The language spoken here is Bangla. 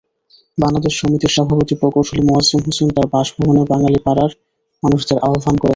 বাংলাদেশ সমিতির সভাপতি প্রকৌশলী মোয়াজ্জেম হোসেন তার বাসভবনে বাঙালি পাড়ার মানুষদের আহ্বান করেছেন।